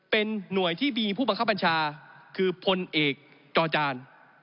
เป็นหน่วยที่มีผู้บังคับบัญชาคือพลเอกจอจาน